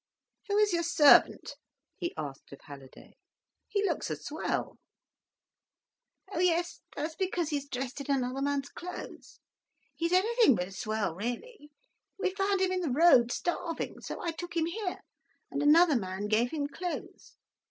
"Who is your servant?" he asked of Halliday. "He looks a swell." "Oh yes—that's because he's dressed in another man's clothes. He's anything but a swell, really. We found him in the road, starving. So I took him here, and another man gave him clothes.